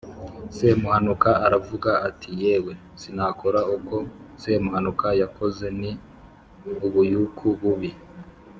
Semuhanuka aravuga ati” Yewe, sinakora uko semuhanuka yakoze, ni ubuyuku bubi.